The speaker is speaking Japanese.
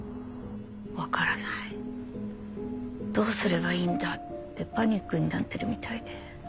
「わからないどうすればいいんだ」ってパニックになってるみたいで。